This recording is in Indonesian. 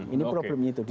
ini problemnya itu disini